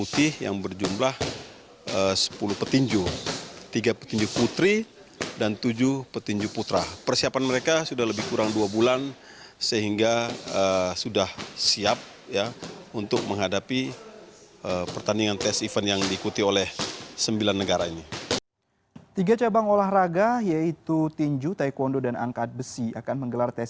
tim putih terbaik dari ketiga tim